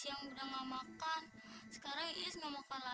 yaudah kamu tunggu di sini ya sebentar